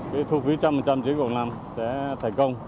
cái thu phí một trăm linh chế độ năm sẽ thành công